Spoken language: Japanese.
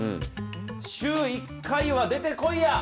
週１回は出てこいや！